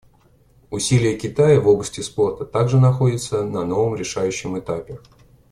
Усилия Китая в области спорта также находятся на новом решающем этапе.